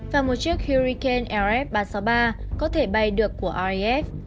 và một chiếc hurricane rf ba trăm sáu mươi ba có thể bay được của raf